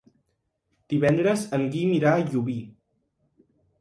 Divendres en Guim irà a Llubí.